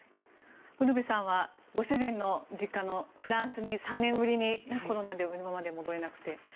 ウルヴェさんはご主人の実家のフランスに３年ぶりにコロナで今まで戻れなくて。